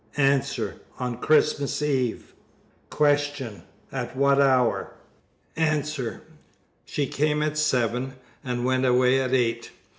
A. On Christmas Eve. Q. At what hour? A. She came at seven, and went away at eight.